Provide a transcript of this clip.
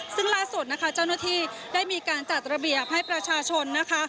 ซึ่งล่าสุดนะคะเจ้าหน้าที่ได้มีการจัดระเบียบให้ประชาชนนะคะ